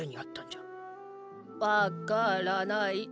わからない。